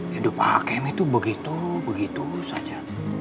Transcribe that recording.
hidup hakim itu begitu begitu saja